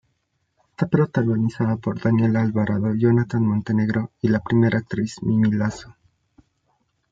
Está protagonizada por Daniela Alvarado, Jonathan Montenegro y la primera actriz Mimí Lazo.